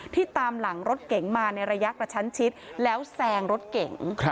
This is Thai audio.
ตามหลังรถเก๋งมาในระยะกระชั้นชิดแล้วแซงรถเก๋ง